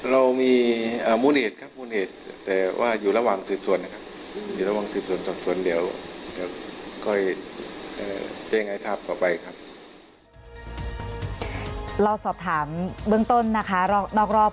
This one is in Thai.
เรามีมูลเหตุครับมูลเหตุแต่ว่าอยู่ระหว่างสิบส่วนนะครับ